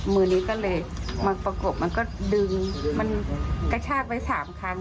มือนี้ก็เลยมาประกบมันก็ดึงมันกระชากไว้๓ครั้ง